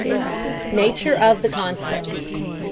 Nature of the Conflict.